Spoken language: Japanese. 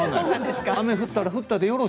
雨降ったら降ったでよろし。